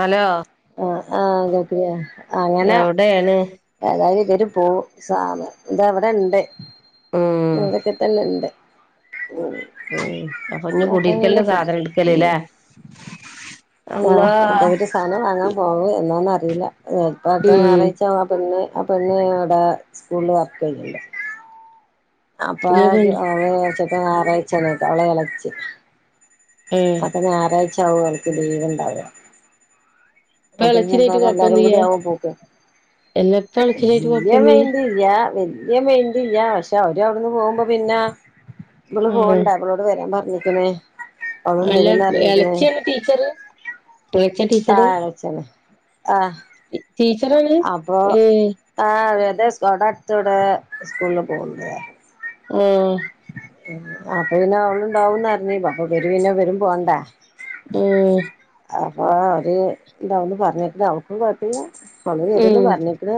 Hello ആഹ് അഹ് [unintelligible] ആങ്ങനെ ഏണ് ഏതായാലും ഇവരു പോവും സാ ഇതാ അവടെ ഇണ്ട് ഉം [unintelligible] എല്ല ഇണ്ട് ഉം അപ്പൊ ഇഞ് ഇങ്ങനെ കുടില്ക്കലിന്റെ കൊട് സാധനം ഇട്ക്കല് ല്ലേ ആഹ് അപ്പ ഒരു സാനം വാങ്ങാം പോവെ എന്നാന്ന അറീല്ല ഇപ്പ അടുത്ത ഉം ഞായറാഴ്ച അപ്പം പിന്നെ അപ്പം പിന്നെ അഹുടെ സ്കൂള്ല് വർക്ക് ചെയ്യലെ അപ്പ [unintelligible] ഞാറാഴിച്ച അവളെ എളച്ചി ഏഹ് അപ്പ ഞായറാഴ്ച അവ അവള്ക്ക് ലീവ് ഇണ്ടാവ ഇപ്പൊ അത ഞ്ഞ് പ്പ എളച്ചിനായിട്ട് എല്ലാരും കൊഴപ്പൊന്നുല്ല്യേ കൂടിയാവും പോക്ക് എല്ലാ ഇപ്പ എളച്ചിനായിട്ട് വല്യ മേ കൊഴപ്പൊന്നുല്ല്യ യാ വല്യ മെയിന്റ് ഇല്ല പക്ഷെ അവര് അവിടുന്ന് പോകുമ്പോ പിന്നെ നമ്മള് ആഹ് പോണ്ട വെരാം പർഞ്ഞ്ക്ക്ണ് എല്ല എളച്ചിയാണ് ടീച്ചറ് എളച്ച ടീച്ചറ് ആഹ് എളച്ചന ആഹ് ടീച്ചറാണ് അപ്പൊ ഏഹ് ആഹ് അവടെ അടതോടെ സ്കൂളില് പോവ്ണ്ട് ആഹ് അപ്പൊ പിന്നെ അവള്ണ്ടാവും ന്ന്റ്ഞ്ഞ് അപ്പൊ ഇവരുപിന്നെ ഇവരും പോണ്ടെ ആഹ് അപ്പൊ അവര് ഇണ്ടാവുന്ന് പറ്ഞ്ഞ്ക്ക്ണ് അവള്ക്കും കുഴപ്പല്ല അഹുന്ന് ഉം വരുന്ന് പറ്ഞ്ഞ്ക്ക്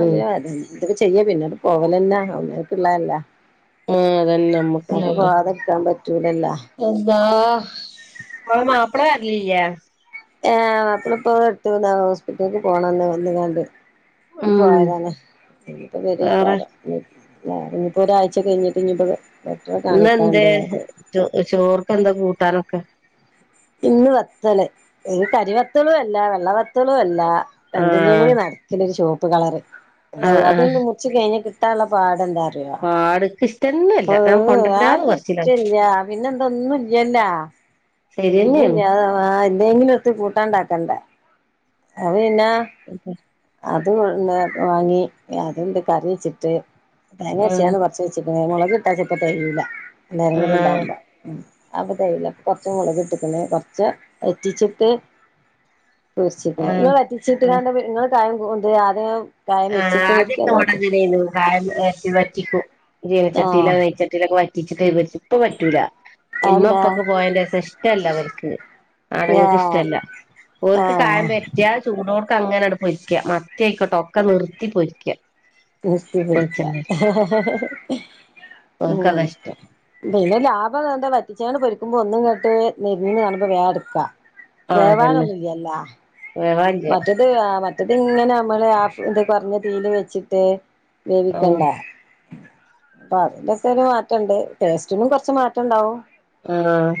ഉം എന്ത [unintelligible] ന്തൊക്കെ ചെയ്യാ പിന്നെ പോവലെന്നെ അവനാൻക്ക്ള്ളല്ലേ ഹെ അതന്നെ നമ്മ അപ്പം പോവാതക്കാം പറ്റൂലല്ലാ എന്താ ആഹ് ഇങ്ങളെ മാപ്പള്ള വെര്ലിലെ ഏ മാപ്പിളപ്പോ എട്ത്തുന്ന ഹോസ്പിറ്റലി പോണന്ന് വന്ന് ക്കാണ്ട് ഉം പോയതാണ് ഇനിപ്പോ വേറെ വെരെക്കാരം ഇനിയിപ്പോ ഒരാഴ്ച കഴിഞ്ഞിട്ട് ഇഞ്ഞ്പ്പോ വെട്ട്റ ഇന്നെന്തേ കാണിക്കാണ്ട് റ്ഞ്ഞ് ചോ ചോർക്ക എന്താ കൂട്ടാനൊക്കെ ഇന്ന് വത്തല് ഒര് കരിവത്തളും അല്ല വെള്ള വത്തളും അല്ല രണ്ടിന്റിം ആഹ് കൂടി നട് തല് ര് ച്ചോപ്പ് കളറ് ആഹ് അള്ള അത് ആഹ് മുറ്ച്ച് കഴിഞ് കിട്ടാള്ള പാട് എന്താ പാട്ക്ക് ഇഷ്ടന്നല്ല ഞാൻ അഹ് കൊണ്ടരണ്ടാന്ന് ആർക്കും പറച്ചിലാണ് ഇഷ്ടല്ല പിന്നെ എന്തോ ഒന്നുംല്ലല്ലാ ശരിയെന്നേണ് ഒന്നുംല്ല ആവാ ഇല്ലെങ്കി എട്ത്ത് കൂട്ടാണ്ടാക്കണ്ട അപ്പ പിന്നെ [unintelligible] അത് വാങ്ങി അത്ണ്ട് കറി വെച്ചിട്ട് ആഹ് തേങ്ങര്ച്ചാണ്ട് വ വെച്ചച്ച്ക്ക്ണ് മോളക് ഇട്ടാ ച്ചെല്പ്പ തെയ്യൂല്ല എല്ലാരും കൂടി ആഹ് ഉണ്ടാവുമ്പ ഉം അപ്പ തെയ്യൂല്ല കൊറ്ച്ച് മോളക്ക് ട്ട്ക്ണ് കൊറ്ച്ച് വെറ്റിച്ചിട്ട് പോര്ച്ച് ആഹ് ങ്ങള് വെറ്റ്ച്ച്ട്ട് ആഹ് ആഹ് കാണ്ട് ങ്ങള് കായം കൊൻണ്ട്രാ ആദ്യം കായം ആഹ് വെച്ചിട്ട് പൊരിക്കോ ആദ്യൊക്കെ ഇവടെ അതോ ങ്ങനെനു കായം വറ്റി വറ്റിക്കൂ ജിനച്ചട്ടി ആഹ് നെയ്ച്ച ച്ചട്ടിലൊക്കെ വറ്റിച്ച്ട്ടെ [unintelligible] ഇപ്പ പറ്റൂല അതെന്താ ഇമ്മപ്പൊക്കെ പോയന്റെസ ഇഷ്ടല്ല ഇവൽക്ക് ആണ്ങ്ങക്ക് ആഹ് ഇഷ്ടല്ല ഓൽക്ക് ആഹ് കായം പര്റ്റിയ ചൂടോട്ക്ക അങ്ങനെ പൊരിക്ക മത്തി ആയിക്കോട്ടെ ഒക്കെ നിർത്തി പൊരിക്ക നിർത്തി പൊരിക്ക വെളിച്ചെണ്ണേല് ഓൽക്കതാ ഉം ഇഷ്ടം പിന്നെ ലാഭം എന്താ വറ്റിച്ചാണ്ട് പൊരിക്കുമ്പോ ഒന്ന്ങ്ങട്ട് നെരിഞ്ഞ് കാണുമ്പോ വേ ഇട്ക്ക. വേവാനൊന്നുല്ല്യല്ലോ. വേവാനില്ല്യ അത് മറ്റത് ഇങ്ങനെ നമ്മള് ആ ഇത് കൊർഞ്ഞ തീൽ വെച്ചിട്ട് ആഹ് വേവിക്കണ്ടേ? അപ്പൊ അതിന്റെക്ക ഒരു മാറ്റംണ്ട് ടേസ്റ്റിനും കൊർച്ച് മാറ്റം ഇണ്ടാവും. ആഹ്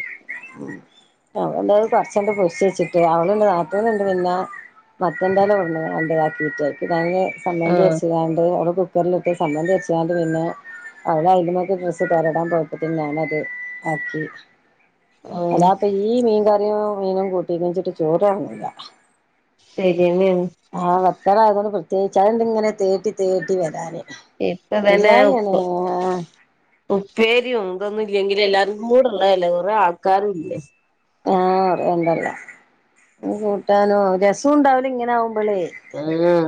ഉം അ [unintelligible] ന്തായാലും കൊർച്ചണ്ട് പൊര്ച്ച് വെച്ചിട്ട് അവള്ണ്ട് നാത്തൂന് ഇണ്ട് പിന്നെ മറ്റെന്തായാലും വിട്ന്ന് കണ്ട്താക്കിട്ട് പിന്നെ അയ്‌ന് സമ്മന്തി ആഹ് അര്ച്കാണ്ട് ഒരു കുക്കർലിട്ട് സമ്മന്തി അര്ച്ച്കാണ്ട് പിന്നെ അവള് അയ്ലുമ്മക്ക് ഡ്രസ്സ് തോരടാൻ പോയപ്പത്തിന് ഞാനത് ആക്കി വെച്ചു. ആഹ് അല്ലാപ്പ ഈ മീൻ കറിയും മീനും കൂട്ടി ന്നെച്ചിട്ട് ചോറ് എർങ്ങൂല. ശരിയന്നെണ്. ആഹ് വത്തള് ആയതോണ്ട് പ്രത്യേകിച്ച് അണ്ട് ഇങ്ങനെ തേട്ടി തേട്ടി വരാനെയ്. ഇപ്പ തന്നെ ഉപ്പ് ഉപ്പേരി ഇതൊന്നും ഇല്ലെങ്കിൽ എല്ലാരും കൂടെള്ളതല്ല കൊറേ ആൾക്കാരു ഇല്ലേ ആഹ് അറിയണ്ടല്ല ഒരു കൂട്ടാനോ രസം ഇണ്ടാവൂല ഇങ്ങനെ ആവുമ്പളേ. ആഹ്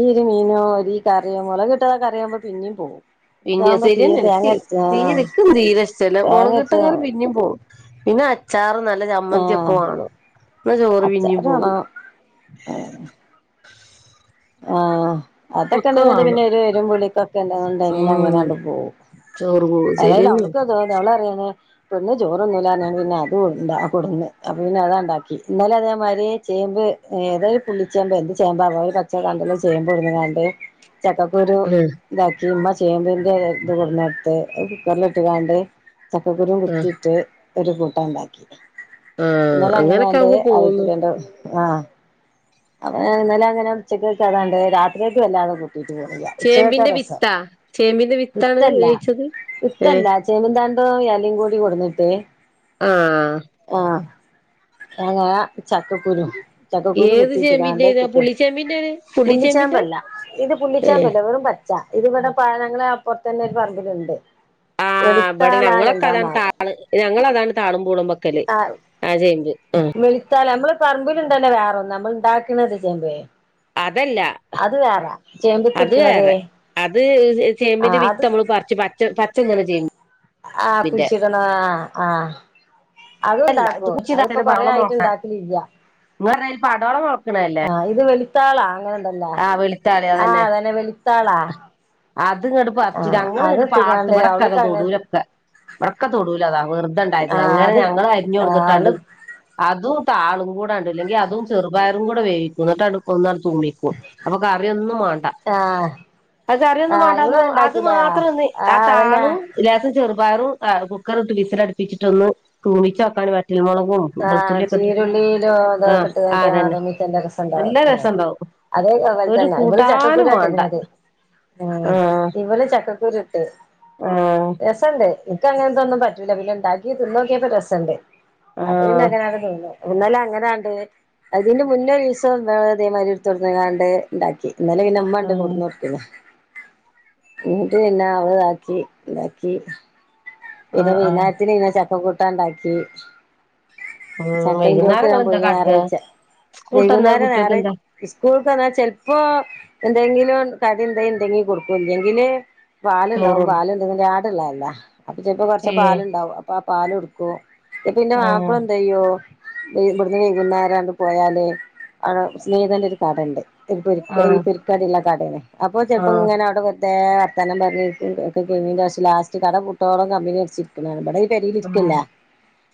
ഈ ഒരു മീനോ ഒരു ഈ കറിയോ മൊളകിട്ട കറിയാവുമ്പോ പിന്നിം പോവും പിന്നെ ശരിയന്നെണ്, ഇക്ക്യ് തീരെ ഇക്ക് തീരെ ഇഷ്ടല്ല തേങ്ങ മൊളകിട്ട അരച്ച കറി പിന്നിം പോകും. പിന്നെ അച്ചാറ് നല്ല ചമ്മന്തി ഒക്കെ ആഹ് വേണം ന്ന ചോറ് പിന്നിം പോവും. ആഹ് ആഹ് അതൊക്കെ ഒക്കെ ഉണ്ട്ന്നിണ്ട് പിന്നെ വേണം ഒരു എരുപുളിക്കൊക്കെ ഉണ്ടാവും. അയിലെ ഉം അങ്ങനെണ്ട് പോകും ചോറ് പോകും ഏതായാലും ശരിയന്നെ [unintelligible] അവളറിയാണ് പെണ്ണ് ചോറ്ന്നുല്ല അർഞ് കാണ്ട് പിന്നെ അത്ണ്ട കൊട്ന്ന് അപ്പൊ പിന്നെ അതണ്ടാക്കി. ഇന്നല അതേമാതിരി ചേമ്പ് ഏതോ ഒരു പുള്ളിച്ചേമ്പ് എന്ത് ചേമ്പാവോ [unintelligible] ച്ച കണ്ടല്ലോ ചേമ്പൊട്ന്ന്കാണ്ട് ചക്കക്കുരു ആഹ് ഇതാക്കി ഇമ്മ ചേമ്പ്ന്റെ ഇത് കൊട്ന്നട്ട് കുക്കറില് ഇട്ട് കാണ്ട് ചക്കക്കുരും ആഹ് കുത്തിട്ട് ഒരു കൂട്ടാൻണ്ടാക്കി. ആഹ് ഇന്നല അങ്ങനൊക്കെ അങ്ങനെയാണ്ട് ആവുമ്പോ പോവുന്നു അയ്ക്കൂലന്റെ ആഹ് അപ്പ അങ്ങനെ ഇന്നലെ അങ്ങനെ ഉച്ചക്ക് വെച്ച് അതാണ്ട് രാത്രികക്ക് വല്ലാതെ കൂട്ടൂ [unintelligible] പോണില്ല. ഉച്ചക്കക്ക ചേമ്പിന്റെ രസം വിത്താ ചേമ്പിന്റെ വിത്താണ് വിത്തല്ല വേവിച്ചത് ഏഹ് വിത്തല്ല ചേമ്പ്ന്താണ്ടും എലിം കൂടി കൊട്‌ന്ന്ട്ടേ ആഹ് ആഹ് അങ്ങനെ ചക്കക്കുരു ചക്കക്കുരു കുത്തിയിട്ട് കാണ്ട് ഇട്ട്. ചേമ്പിന്റെലെ പുള്ളിച്ചേമ്പല്ല ഇത് പുള്ളിച്ചേമ്പല്ല വെറും പ ച്ച ഇതി ഇവടെ ഞങ്ങളെ അപ്പർത്തന്നെ ഒരു പറമ്പില്ണ്ട്. ആ ഇവടെ ഞങ്ങളൊക്കെ അതാണ് താള് ഞങ്ങൾ അതാണ് താളും പൂളെമ്പ ക്കല് ആഹ് ആ ചേമ്പ് ആ [unintelligible] നമ്മള് പറമ്പില്ണ്ടല്ല വേറൊന്ന് നമ്മള് ഉണ്ടാക്ക്ണ ഒരു ചേമ്പേ അതല്ല അത് വേറെ അത് ചേമ്പ്ത്ത്ട്ക്ക്ണതേ വേറെ അത് ചേമ്പിന്റെ വിത്ത് നമ്മള് പർച് പച്ച പച്ചന്നിണ ചേമ്പ് ആഹ് കുയ്ച്ചിട്ണ ആ ആഹ അത് ഉണ്ടാക്കൂ അതിപ്പോ കൊറെ ആയിട്ട് ഇണ്ടാക്കലില്ല ങ്ങള് പർഞ്ഞെ പടോളം മൊള്ക്കിണ അല്ലേ ആഹ് ഇത് വെളിത്താളാ അങ്ങനെണ്ടല്ലേ ആ അതന്നെ വെളിത്താളാ അത് ങ്ങട്ട് പർച്ച് ഞങ്ങള് ങ്ങട്ട് പാട്ത്ത് ഇട്ട്കാണ്ട് ഇവടെക്കെ അതാ അവള്ക്ക് അങ്ങ തൊടൂലൊക്കെ വിടക്ക തൊടൂല അതാ വെറുതെ ണ്ടായത് ആഹ് അങ്ങനെ അത് ഞങ്ങള് അരിഞ്ഞു ആഹ് കൊടുന്നിട്ടാണ്ട് അവള് അതൂ താളുംകൂടെണ്ട് ഇല്ലെങ്കി അതും ചെറുപയറും കൂടെ വേവിക്കും ഇന്നിട്ട്ട് ഒന്നാണ് തൂമിക്കും അപ്പൊ കറിയൊന്നും മാണ്ട ആഹ് അത് കറിയൊന്നും ആഹ് വേണ്ടാന്ന് ഇങ്ങള് അത് ഇണ്ടാക്കൂലേ മാത്രൊന്ന് ആ ആഹ് അതന്നെ താളും ലേസം ചെറുപയറും കുക്കറിട്ട് വിസിലടിപ്പിച്ചിട്ടൊന്ന് തൂമിച്ച്ക്കാൻ വറ്റൽ മൊളകും ആഹ് ചീരുള്ളിയിലും ആഹ് അതൊക്കെട്ട്കാട്ട് ആ അതന്നെ തൂമിച്ചാന്റെ രസണ്ടാവും നല്ല ഉം രസണ്ടാവും അതേ അങ്ങനെ ഒരു തന്നെ ഇവിടെ ചക്കക്കുര കൂട്ടാനും വാണ്ട ഇട്ടേക്കണത് ഉം ആഹ് ഇവല് ചക്കക്കുരു ഇട്ട് ആഹ് രസണ്ട് നിക്ക് അങ്ങനതൊന്നും പറ്റൂല്ല പിന്നെ ണ്ടാക്കി തിന്ന് നോക്കിയപ്പോ രസണ്ട് അത് പിന്നെ ആഹ് അങ്ങനാണ്ട് തിന്ന് ഇന്നലെ അങ്ങനാണ്ട് അതിന്റെ മുന്നേ ഒരിസം ഇതേമാരി എടുത്തോണ്ട്ങ്ങാണ്ട് ണ്ടാക്കി ഇന്നലെ പിന്നെ മ്മണ്ട് ആഹ് കൊടുന്ന്ട്ക്ക്ന് ന്നിട്ട് പിന്നെ അവള്താക്കി ണ്ടാക്കി പിന്നെ ആഹ് ആഹ് വൈനേരത്തിന് പിന്നെ ചക്ക കൂട്ടാൻ ണ്ടാക്കി ഉം ചക്ക ഇന്റെയോക്ക് വൈകുന്നേരം ഞാൻ ഇങ്ങളെന്താ പോയിനി കാട്ടാ ഞായറായ്ച്ച സ്കൂൾട്ട് വന്നാൽ വൈകുന്നേരം കുട്ട്യേക്കെന്താ ഞായറായ്ച്ച സ്കൂള്ക്ക് വന്ന ചെലപ്പോ എന്തെങ്കിലും കടി ണ്ടേൽ ഇണ്ടെങ്കി കൊടുക്കും അല്ലെങ്കില് പാല് ണ്ടാവും ചോറ് പാല്ണ്ടെങ്കില് ആാട്ള്ളല്ലേ അപ്പൊ കൊറച്ച് ചെലപ്പപ്പോ കൊറച്ച് ഏഹ് പാല്ണ്ടാവും അപ്പൊ ആ പാല് കൊടുക്കും പിന്നെ ആഹ് മാപ്പള എന്തേയ്യും ഇവിടുന്ന് വൈകുന്നരാണ്ട് പോയാല് അവടെ സ്നേഹീതന്റെ ഒരു കട ഇണ്ട് പൊരി ഈ ആഹ് പൊരിക്കടി ഇള്ള കടേണ് അപ്പൊ ചെലപ്പോ ആഹ് ഇങ്ങനെ അവടെ വെറുതെ വർത്തനം പറഞ്ഞിരിക്കും ഒക്കെ കയിഞ്ഞ് ലാസ്റ്റ് കട പുട്ടോളം കമ്പിനി അടിച്ചി ക്കണാണ് ഇബാടെ പെരേല് ഇരിക്കലില്ല ആഹ്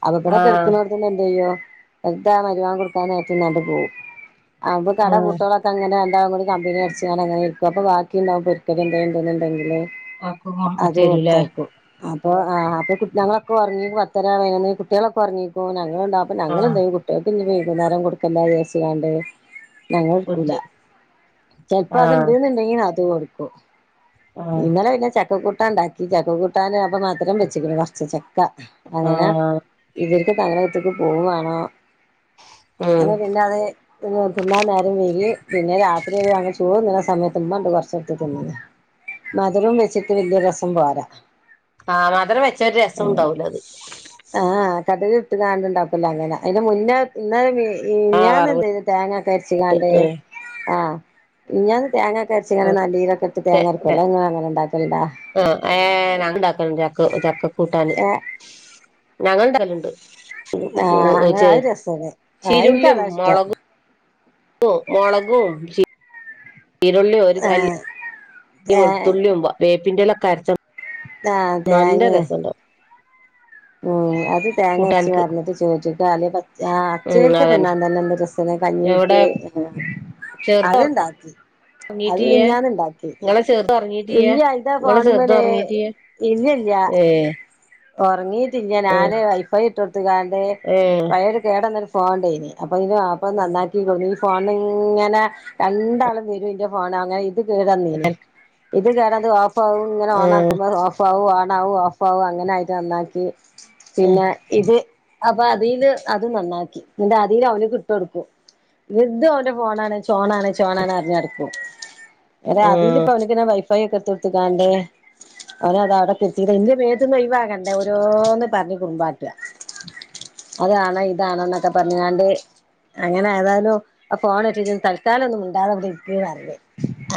അപ്പവ്ട ആഹ് കെടക്കണോട് എന്തെയ്യും ന്നിട്ടാ ആ മരിബ് ബാങ്ക് കൊടുക്കാൻ നേരത്ത്ട്ട് പോവും അപ്പൊ ആഹ് കടപൂട്ടാ അങ്ങനെ രണ്ടാളും കൂടി കമ്പനി അടിച്ച്ങ്ങാണ്ട് അങ്ങനെ ഇരിക്കും അപ്പൊ ബാക്കി ഇണ്ടാവും പൊരിക്കടി എന്തേലും ഇണ്ടെന്ന്ണ്ടെങ്കില് ആക്ക് അത് തരൂലേ കൊടുത്തയക്കും അപ്പൊ ആ ഞങ്ങളൊക്കെ ഒർങ്ങി പത്തരാവേണ് കുട്ട്യേളൊക്കെ ഒറങ്ങിക്കൊ ഞങ്ങള് ഇണ്ടാ അപ്പൊ ആഹ് ഞങ്ങളെന്തായു കുട്ട്യേൾക്ക് ഇഞ് വൈകുന്നേരം കൊടുക്കണ്ടാ വിചാരിച്ച്കാണ്ട് ഞങ്ങള് എടുക്കൂല കൊഞ്ച് ചെലപ്പോ ആഹ് അത്ണ്ട്ന്ന്ണ്ടെങ്കി അത് കൊടുക്കും ആഹ് ഇന്നലെ പിന്നെ ചക്ക കൂട്ടാൻ ഇണ്ടാക്കി ചക്ക കൂട്ടാന് അപ്പം മധുരം വെച്ചക്കണ് കൊറച്ച് ച ക്ക അങ്ങനെ ആഹ് ഇവർക്ക് [inaudible] പോവേം വേണം ഉം അങ്ങനെ പിന്നെ അത് തിന്നാ നേരം വൈകി പിന്നെ രാത്രി ഞങ്ങ ചോർന്നണ സമയത്ത് ഉമ്മണ്ട് കൊറച്ചെടുത്ത് തിന്നണ് മധരം വെച്ചിട്ട് വല്യ രസം പോരാ ആഹ് മധരം വെച്ച ഒരു രസം ഉണ്ടാവൂല അത് ആഹ് കട് കിട്ട്കാണ്ട് ഇണ്ടാക്കൂലെ അങ്ങനെ അതിന് മുന്നേ ന്നലെ ആഹ് ഞാൻ വറവിട്ട് എന്തേത് തേങ്ങൊക്കെ അരച്ച് കാണ്ട് ഉം ആഹ് മിഞാന്ന് തേങ്ങൊക്കെ അരച്ചിങ്ങാന് നല്ലീരൊക്കെ ഇട്ട് തേങ്ങ അരക്കല്ലോ ഇങ്ങള് അങ്ങനെ ഇണ്ടാക്കലിണ്ടാ അഹ് ഏ ഞങ്ങണ്ടാക്കലിണ്ട് ചക്ക ചക്ക കൂട്ടാന് ഏഹ് ഞങ്ങണ്ടാലണ്ട് ആഹ് ഉം അങ്ങനെ അത് രസാണ് ആഹ് ചിരുള്ളീം ഇൻക്കതാ ഇഷ്ടം മൊളകും മൊളകും ചി ചീരുള്ളിയ ഒരു അല്ലി ആഹ് തേ വെളുത്തുള്ളിയും വേപ്പിന്റെല ഒക്ക അരച്ച് ആഹ് അതെ അയിന് ഉം അത് തേങ്ങ അരച്ചു കൂട്ടാൻക്ക് വരഞ്ഞിട്ട് ചോറ്റിയിട്ട് അലേ പ ആഹ ഉം പച്ചേക്ക് അതന്നെ തിന്നാൻ തന്നെ എന്ത്‌ രസം എവിടെ കഞ്ഞീക്ക് ചെറുത് അത്ണ്ടാക്കി അത് ഉറങ്ങീട്ടിയ്യേ മിഞാന്ന് ഇണ്ടാക്കി നിങ്ങളെ ചെറുത് ഉറങ്ങീട്ടിയ്യേ ഇല്ല അതിന്റെ നിങ്ങളെ ഫോണ് ചെറുത് മല് ഉറങ്ങീട്ടിയ്യേ ഇല്ലല്ല ഏഹ് ഒറങ്ങീട്ടില്ല ഞാന് വൈഫൈ ഇട്ടോട്ത്ത്കാണ്ട് ഉം പയൊരു കേടന്നൊരു ഫോണ് ണ്ടേനി അപ്പ അയിന് വാപ്പ നന്നാക്കി കൊടുന്നി ഈ ഫോണിനിങ്ങനെ രണ്ടാളും വരും ഇന്റെ ഫോണ് അങ്ങനെ ഇത് കേടന്നിനി ഇത് കേടന്ന് ഓഫ് ആവും ഇങ്ങനെ ഉം ഓണക്കുമ്പോ ഓഫ് ഓഫ് ആവും ഓൺ ആകും ഓഫ് ആവും അങ്ങനെ ആയിട്ട് നന്നാക്കി. ഉം ഉം പിന്നെ ഇത് അപ്പോ അതില് അതും നന്നാക്കി, എന്നിട്ട് അതിൽ അവനിക്കിട്ടൊടുക്കും. ഇതും അവന്റെ ഫോണാണ് ചോണാണ് ചോണാണ് പറഞ്ഞടുക്കും എന്ന അതില് അപ്പ ഉം അവനിക്ക് ഞാൻ വൈഫൈ ഒക്കെ എടുത്തൊടുത്ത്ക്കാണ്ട് ഓനതാ അവിടെത്തെത്തിട്ട ഇന്റെ മേത്ത്ന്ന് ഒഴിവാകണ്ടേ ഓരോന്ന് പറഞ്ഞ് കുറുമ്പാട്ട അതണോ ഇതാണോ എന്നൊക്കെ പറഞ്ഞുക്കാണ്ട് അങ്ങനെ ഏതായാലും അഹ ഫോണ് കിട്ടിട്ട് തൽക്കാലം ഒന്ന് മിണ്ടാതെ അവിടെ ഇരിക്ക് പറഞ്ഞ്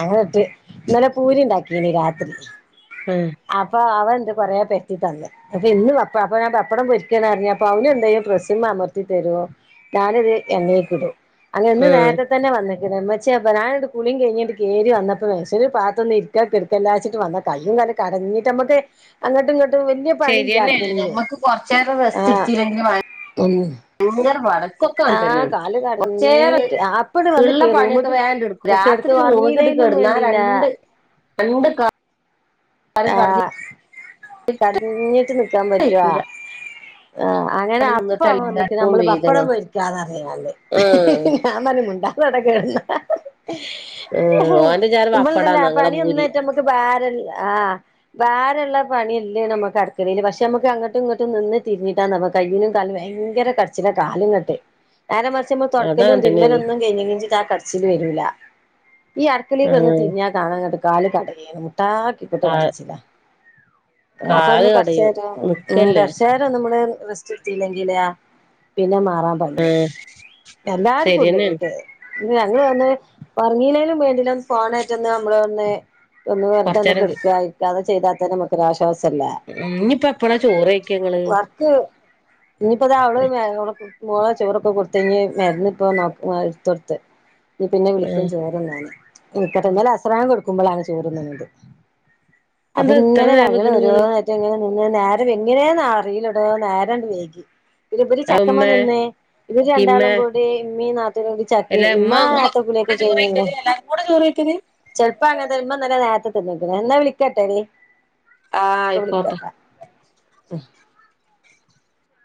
അങ്ങനെ ഇട്ട് ഇന്നലെ പൂരി ഉണ്ടാക്കിനി രാത്രി ഉം അപ്പോ അവൻ എന്ത് കൊറെ പരത്തി തന്നു അപ്പോ ഇന്ന് അപ്പോ ഞാൻ പപ്പടം പൊരിക്കാണ് പറഞ്ഞപ്പോ അവന് എന്തയ്യും പ്രസ്സ്മൽ അമർത്തി തരുവോ. ഞാനിത് എണ്ണക്കിടും അങ്ങനെ ഇന്ന് ഉം നേരത്തെ തന്നെ വന്നിക്കണ് ഇമ്മച്ചിയെ പ്പം ഞാൻ കുളിയും കഴിഞ്ഞണ്ട് കേറി വന്നപ്പോ മൻസനൊരു പാത്തൊന്ന് ഇരി ക്കാ കെടുക്കല്ലാച്ചിട്ട് വന്ന കയ്യും കാലും കടഞ്ഞിട്ട് നമ്മുക്ക് അങ്ങട്ടും ഇങ്ങട്ടും വല്യ പണി ഇല്ല. നമുക്ക് കുറച്ചേരം റസ്റ്റ് എടുത്തില്ലെങ്കിൽ ഉം ഭയങ്കര പാട ഇൻക്കൊക്കെ അങ്ങനെ ആഹ് തന്നെണ് കാല് കൊറച്ചേരം കടഞ്ഞിട്ട് അപ്പണ്ട് വന്ന് ഉള്ള കേ പണിയൊക്കെ റൂമ്ക്ക് വേണ്ട് എടുത്ത് രാ കെട്ക്ക് ത്രി റൂമ്ക്കണ്ട് ഒർങ്ങീലേലും കടന്നാൽ ആഹ വേണ്ടീല രണ്ട് രണ്ട് കാ ആഹ് കടഞ്ഞിട്ട് നിക്കാൻ പറ്റോ. വെയ്ക്കൂല ആഹ അങ്ങനെ പണി അപ്പം നിന്നിട്ട് അവൻ വന്നിക്ക് എല്ലാർക്കും നമ്മള് വേദന ബപ്പടം പൊരി ക്കാ പറഞ്ഞിക്കാണ്ട് ഉം ഞാൻ പറഞ്ഞ് മുണ്ടാതെ അവിടെ കെടന്നോ. ഉം ഓന്റെ വിചാരം ഇമ്മള്ണ്ടല്ലോ പപ്പടാന്നാ ഇങ്ങളെ പൂരി പണിയൊന്നായിട്ട് നമ്മുക്ക് ഭാരല്ല ആഹ് ഭാരള്ള പണിയല്ലേ നമക്ക് അടുക്കളേല് പക്ഷെ നമുക്ക് അങ്ങട്ടും ഇങ്ങോട്ടും നിന്ന് തിരിഞ്ഞിട്ടാ നമുക്ക് കയ്യിലും കാലിലും ഭയര കടച്ചി ച്ചിലാ കാല് ഇങ്ങട്ട് നേരം മറിച്മ്പോ അതങ്ങൻ തൊടക്കലും തിരുമ്പലും തന്നേണ് ഒന്നും കഴിഞ്ഞിലെങ്കി ആഹ കടച്ചില് വരൂല്ല. ഈ അടുക്കളേല് കടന്ന് ഉം തിരിഞ്ഞാ കാണാ ന്നട്ട് കാല് കടയണ് മുട്ടായിട്ടങ്ങ് കാ കരച്ചിലാ അപ്പൊ ഒന്ന് കാല് കടയും കൊറച്ചേരം ഉം നിക്കല്ലേ കൊറച്ചേ, രം നമ്മള് റസ്റ്റ് എടുത്തില്ലെങ്കിൽ പിന്നെ മാറാൻ ഉം എല്ലാർക്കും ഉണ്ട് ശരിയെന്നേണ് മറ്റേ പിന്നെ ഞങ്ങള് വന്ന് ഒറങ്ങീലേലും വേണ്ടില്ല. ഒന്ന് ഫോണെയിറ്റ് ഒന്ന് നമ്മള് ഒന്ന് ഒന്ന് വെറുതെ ഒന്ന് തന്നെ കൊറച്ചേരം ഉം കിടക്കാ ഇരിക്കാ അത് ചെയ്താത്തന്ന നമുക്കൊരു ആശ്വാസംല്ലേ ഇനിയിപ്പോ എപ്പളാ ചോറ് വെയ്ക്കാ ങ്ങള് ക്ക് ഇഞ്ഞ്പ്പത് അവള് [unintelligible] മോളാ ചോറൊക്കെ കൊട്ത്തെ ഇഞ്ഞ് മര്ന്ന്പ്പോ [unintelligible] ഇട്ത്തൊട്ത്തത് ഇഞ്ഞ്പ്പോ ഇന്നെ ഏ വിളിക്കും ചോറ്ന്നാന് ഇഞ്ഞ്പ്പതന്നെ ഇന്നലെ അസറാങ്ക് കൊടുക്കുമ്പളാണ് ചോറ്ന്ന്ണത്. അതെന്താ ഇത്ര നേരം വെക്കണ് ഓരോ നിങ്ങള് കാര്യത്തിന്ങ്ങനെ നിന്ന് നേരം എങ്ങനേന്ന് അറീല ടോ നേരാണ്ട് വൈകി. പിന്നെ ഇവല് അമ്മ ചക്കമ്മേ നിന്ന് ഇവല് ഇമ്മ രണ്ടാളും കൂടി ഇമ്മിം നാത്തൂനൂടിം ചക്കീം അല്ല ഇമ്മ നേരത്തെ ഇങ്ങളൊക്കെ കൂടെ കുളിയൊക്കെ ചോറ് കഴിഞ്ഞ്ക്ക്ണ്. വെയ്ക്കല് എല്ലാരും കൂടെ ചോറ് വെയ്ക്കല് ചെലപ്പം അങ്ങനെത്തെന്നെ ഇമ്മ ഇന്നലെ നേരത്തെ തിന്ന്ക്ക്ണ് എന്നാ വിളിക്കാട്ടോ എടീ ആഹ് ഇപ്പൊ ആയിക്കോട്ടെ വിളിക്കാട്ടോ